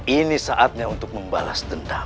ini saatnya untuk membalas dendam